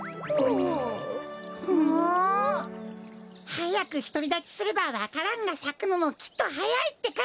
はやくひとりだちすればわか蘭がさくのもきっとはやいってか。